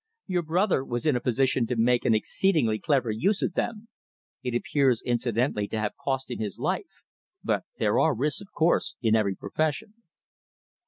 Your brother was in a position to make an exceedingly clever use of them. It appears incidentally to have cost him his life, but there are risks, of course, in every profession."